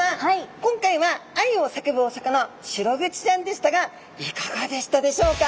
今回は愛を叫ぶお魚シログチちゃんでしたがいかがでしたでしょうか？